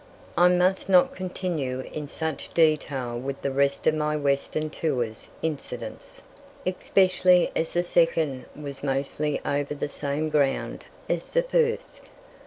I must not continue in such detail with the rest of my western tours' incidents, especially as the second was mostly over the same ground as the first.